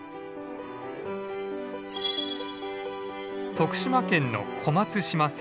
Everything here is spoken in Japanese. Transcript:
徳島県の小松島線。